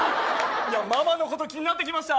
ママのこと気になってきました